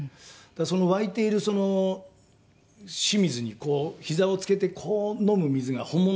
湧いてるその清水にこうひざをつけてこう飲む水が本物じゃないですか。